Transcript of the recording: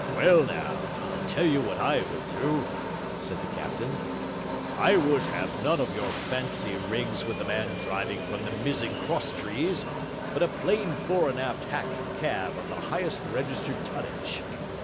'Well, now, I'll tell you what I would do,' said the captain: 'I would have none of your fancy rigs with the man driving from the mizzen cross trees, but a plain fore and aft hack cab of the highest registered tonnage.